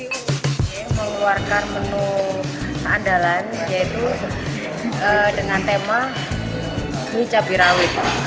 ini mengeluarkan menu keandalan yaitu dengan tema mie cabai rawit